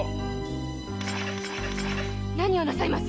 何をなさいます！？